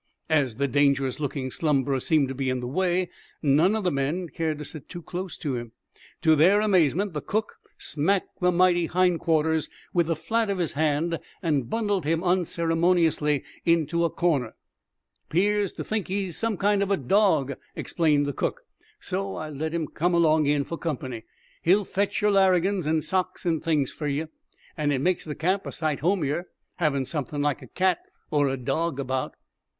As the dangerous looking slumberer seemed to be in the way none of the men caring to sit too close to him to their amazement the cook smacked the mighty hindquarters with the flat of his hand, and bundled him unceremoniously into a corner. "'Pears to think he's some kind of a dawg," explained the cook, "so I let him come along in for company. He'll fetch yer larrigans an' socks an' things fer ye. An' it makes the camp a sight homier, havin' somethin' like a cat or a dawg about."